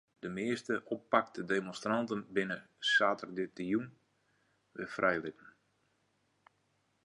De measte oppakte demonstranten binne saterdeitejûn wer frijlitten.